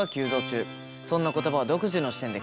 そんな言葉を独自の視点で解説。